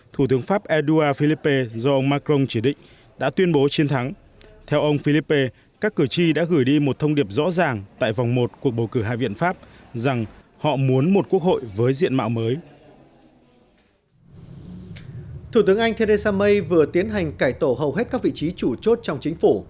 thủ tướng anh theresa may vừa tiến hành cải tổ hầu hết các vị trí chủ chốt trong chính phủ